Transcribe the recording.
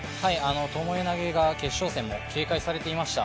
ともえ投げが決勝戦も警戒されていました。